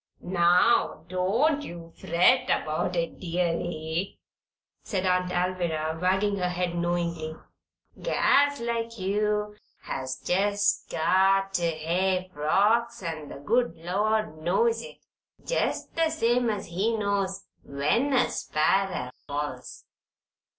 "Now, don't you fret about it, deary," said Aunt Alviry, wagging her head knowingly. "Gals like you has jest got ter hev frocks, an' the good Lord knows it, jest the same as He knows when a sparrer falls.